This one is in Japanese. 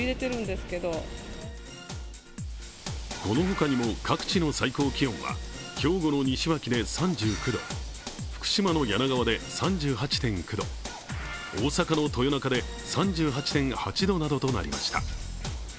この他にも各地の最高気温は兵庫の西脇で３９度福島の梁川で３８．９度、大阪の豊中で３８．８度などとなりました。